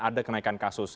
ada kenaikan kasus